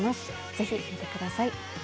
ぜひ見てください。